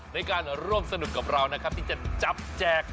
ในการร่วมสนุกกับเรานะครับที่จะจับแจก